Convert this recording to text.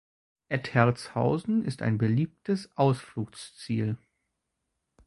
Etterzhausen ist ein beliebtes Ausflugsziel.